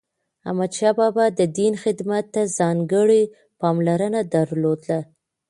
احمدشاه بابا د دین خدمت ته ځانګړی پاملرنه درلوده.